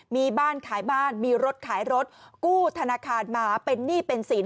มีบ้านขายบ้านมีรถขายรถกู้ธนาคารมาเป็นหนี้เป็นสิน